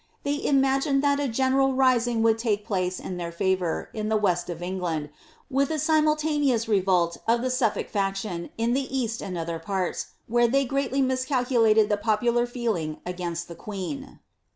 They imagined that a general rising would take place in their £ivour, in the west of England, with a simultaneous revolt of the Suffolk Action in the east and other parts, where they greatly miscalculated the popular feeling against the queen.'